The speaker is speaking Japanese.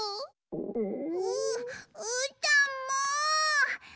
ううーたんも！